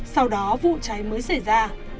sau đó vụ cháy mới xảy ra